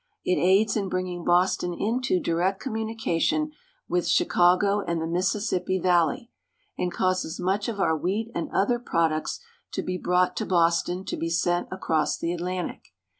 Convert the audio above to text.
It aids in bringing Boston into direct communication with Chicago and the Mississippi Valley, and causes much of our wheat and other products to be brought to Boston to be sent across the Atlantic.